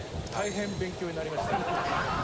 大変勉強になりました。